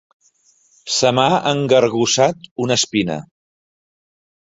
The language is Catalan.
Se m'ha engargussat una espina.